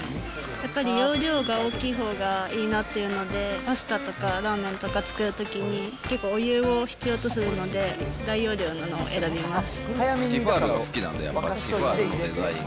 やっぱり容量が多いほうがいいなっていうので、パスタとかラーメンとか作るときに、結構、お湯を必要とするので、大容量なのティファールが好きなんで、ティファールのデザイン。